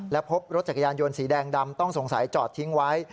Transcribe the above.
และพบรถจักรยานยนต์สีแดงดำต้องสงสัยจอดทิ้งไว้